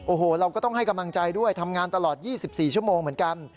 โอ้โหเราก็ต้องให้กำลังใจด้วยทำงานตลอด๒๔ชั่วโมงเหมือนกัน